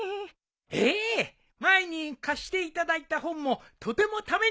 ええ前に貸していただいた本もとてもためになりました。